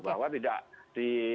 bahwa tidak di